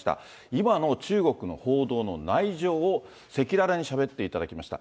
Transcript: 今の中国の報道の内情を赤裸々にしゃべっていただきました。